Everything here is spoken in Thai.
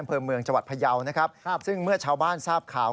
อำเภอเมืองจังหวัดพยาวนะครับซึ่งเมื่อชาวบ้านทราบข่าว